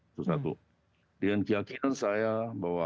itu satu dengan keyakinan saya bahwa